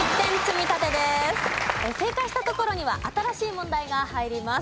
正解したところには新しい問題が入ります。